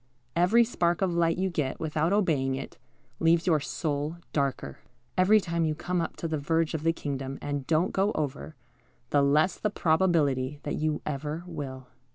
_ Every spark of light you get without obeying it, leaves your soul darker. Every time you come up to the verge of the kingdom and don't go over, the less the probability that you ever will.